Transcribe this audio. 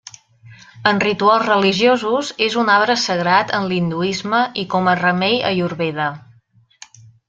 En rituals religiosos, és un arbre sagrat en l'hinduisme, i com a remei ayurveda.